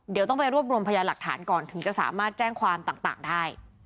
เดี๋ยวต้องไปรวบรวมพยานหลักฐานก่อนถึงจะสามารถแจ้งความต่างได้